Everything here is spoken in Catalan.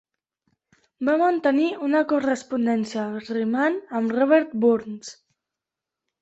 Va mantenir una correspondència rimant amb Robert Burns.